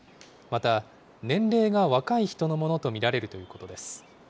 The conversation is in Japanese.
また、年齢が若い人のものと見られるということです。